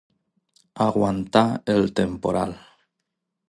Aguantar el temporal.